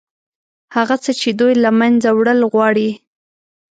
هغه څه چې دوی له منځه وړل غواړي.